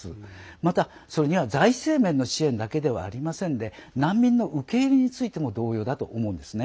また、それには財政面での支援だけではありませんで難民の受け入れについても同様だと思うんですね。